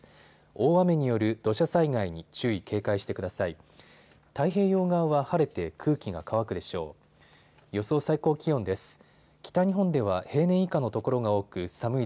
大雨による土砂災害に注意、警戒してください。